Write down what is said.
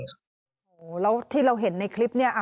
ผมก็อยู่สู้เขาบ้านไม่เห็นจริง๒คนค่ะ